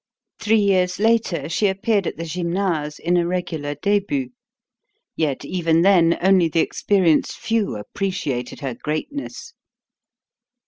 Three years later she appeared at the Gymnase in a regular debut; yet even then only the experienced few appreciated her greatness.